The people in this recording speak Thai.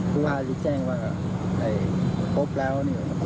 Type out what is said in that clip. ครูฮาร์ดดูแจ้งว่าพบแล้ว